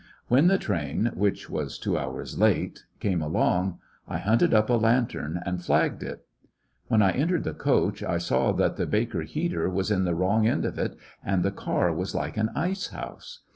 When the train, which was two hours late, came along, I hunted up a lantern and flagged it. When I entered the coach I saw that the Baker heater was in the wrong end of it and the car was like an ice house.